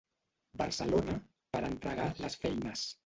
Barcelona per entregar les feines.